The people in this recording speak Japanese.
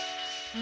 あ。